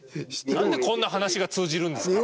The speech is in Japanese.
なんでこんな話が通じるんですか。